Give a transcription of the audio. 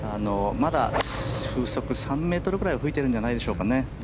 まだ風速３ｍぐらいは吹いてるんじゃないでしょうか。